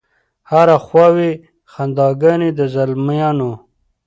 هره خوا وي خنداګانې د زلمیانو